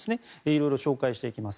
色々紹介していきます。